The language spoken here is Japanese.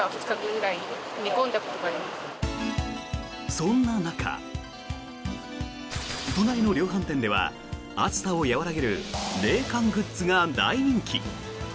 そんな中、都内の量販店では暑さを和らげる冷感グッズが大人気。